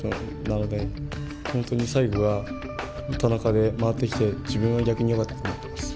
なので本当に最後は田中で回ってきて自分は逆によかったって思ってます。